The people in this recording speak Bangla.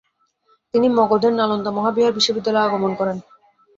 তিনি মগধের নালন্দা মহাবিহার বিশ্ববিদ্যালয়ে আগমন করেন।